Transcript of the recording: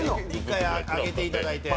１回上げていただいて。